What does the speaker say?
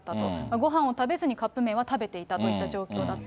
ごはんを食べずにカップ麺を食べていたといった状況だった。